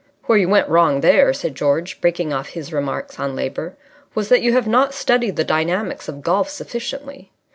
"Where you went wrong there," said George, breaking off his remarks on Labour, "was that you have not studied the dynamics of golf sufficiently.